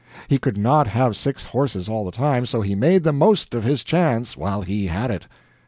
He could not have six horses all the time, so he made the most of his chance while he had it.